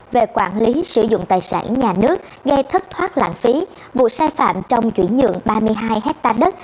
về quản lý sử dụng tài sản nhà nước gây thất thoát lãng phí vụ sai phạm trong chuyển nhượng ba mươi hai hectare đất